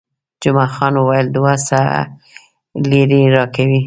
جمعه خان وویل، دوه سوه لیرې راکوي.